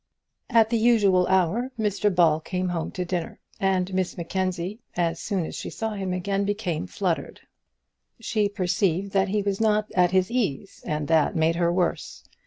At the usual hour Mr Ball came home to dinner, and Miss Mackenzie, as soon as she saw him, again became fluttered. She perceived that he was not at his ease, and that made her worse.